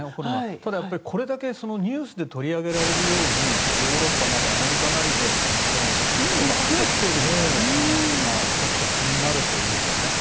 ただ、これだけニュースで取り上げられるようにヨーロッパなり、アメリカで頻度が増えているのが気になるというか。